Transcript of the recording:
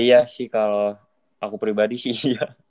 iya sih kalo aku pribadi sih